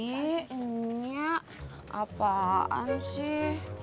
ih enggak apaan sih